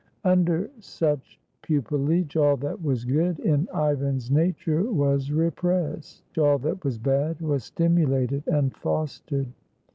Under such pupilage all that was good in Ivan's na ture was repressed, all that was bad was stimulated and fostered.